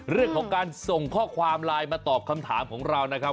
เรื่องของการส่งข้อความไลน์มาตอบคำถามของเรานะครับ